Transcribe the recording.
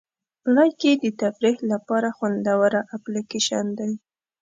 لایکي د تفریح لپاره خوندوره اپلیکیشن دی.